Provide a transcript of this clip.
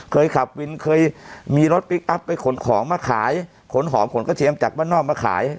เคยขับวินเคยมีรถพลิกอัพไปขนของมาขายขนหอมขนกระเทียมจากบ้านนอกมาขาย